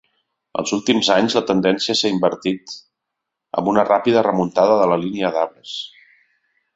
Als últims anys la tendència s'ha invertit, amb una ràpida remuntada de la línia d'arbres.